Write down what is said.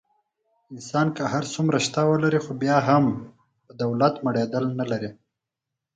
انسان که هر څومره شته ولري. خو بیا هم په دولت مړېدل نه لري.